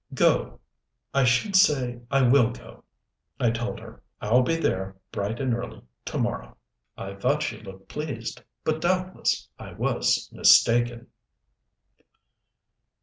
"Go I should say I will go," I told her. "I'll be there bright and early to morrow." I thought she looked pleased, but doubtless I was mistaken.